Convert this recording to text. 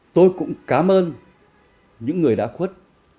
tôi cũng cảm ơn những người đã khuất